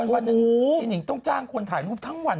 วันนี้นิงต้องจ้างคนถ่ายรูปทั้งวัน